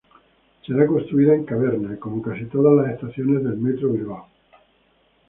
Será construida en caverna, cómo casi todas las estaciones de Metro Bilbao.